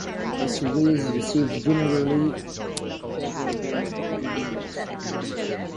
The series received generally favourable reviews.